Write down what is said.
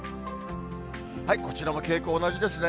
こちらも傾向同じですね。